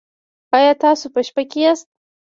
ایا تاسو په شپه کې یاست؟